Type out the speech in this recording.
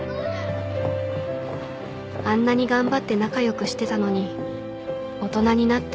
あんなに頑張って仲良くしてたのに大人になった